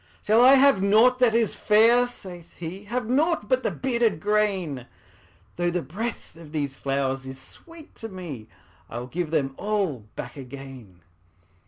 ``Shall I have nought that is fair?'' saith he; ``Have nought but the bearded grain? Though the breath of these flowers is sweet to me, I will give them all back again.''